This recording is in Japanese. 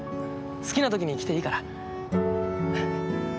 好きな時に来ていいから。